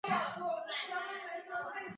属淮南东路。